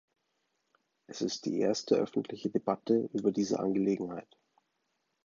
Es ist die erste öffentliche Debatte über diese Angelegenheit.